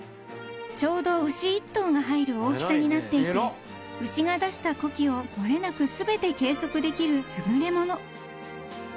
［ちょうど牛１頭が入る大きさになっていて牛が出した呼気を漏れなく全て計測できる優れもの］